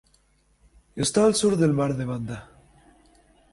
Está al sur del mar de Banda.